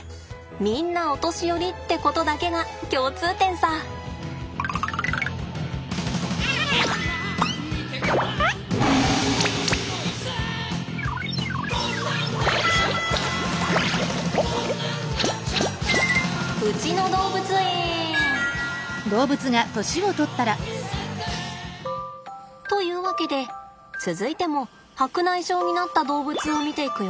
みんなお年寄りってことだけが共通点さ！というわけで続いても白内障になった動物を見ていくよ。